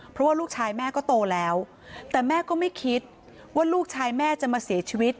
เพราะว่าลูกชายแม่ก็โตแล้วแต่แม่ก็ไม่คิดว่าลูกชายแม่จะมาเสียชีวิต